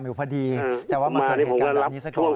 อยู่พอดีแต่ว่าเห็นสักกว่าเลยเห็นภาพ